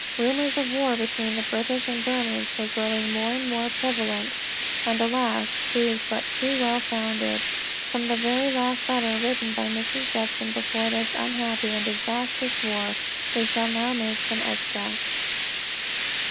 Rumors of a war between the British and Burmans were growing more and more prevalent, and alas, proved but too well founded. From the very last letter written by Mrs. Judson before this most unhappy and disastrous war, we shall now make some extracts.